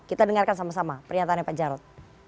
kita dengarkan sama sama pernyataannya pak jarod